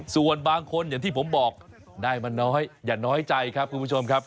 ส่วนบางคนอย่างที่ผมบอกได้มาน้อยอย่าน้อยใจครับคุณผู้ชมครับ